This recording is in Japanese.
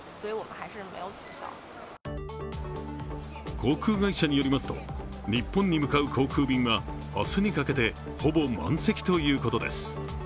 航空会社によりますと、日本に向かう航空便は明日にかけてほぼ満席ということです。